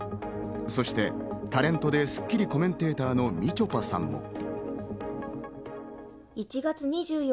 そしてタレントで『スッキリ』コメンテーターのみちょぱさんも。